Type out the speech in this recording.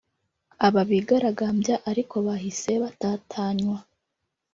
Aba bigaragambya ariko bahise batatanywa